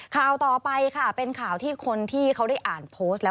ข่าวต่อไปค่ะเป็นข่าวที่คนที่เขาได้อ่านโพสต์แล้ว